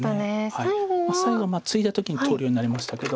最後ツイだ時に投了になりましたけど。